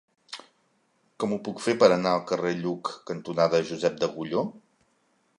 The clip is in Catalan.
Com ho puc fer per anar al carrer Lluc cantonada Josep d'Agulló?